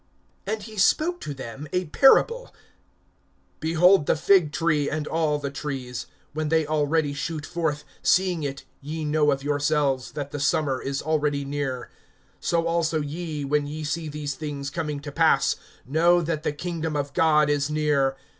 (29)And he spoke to them a parable: Behold the fig tree, and all the trees. (30)When they already shoot forth, seeing it ye know of yourselves that the summer is already near. (31)So also ye, when ye see these things coming to pass, know that the kingdom of God is near.